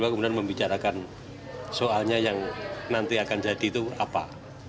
kemudian membicarakan soalnya yang nanti akan jadi itu apa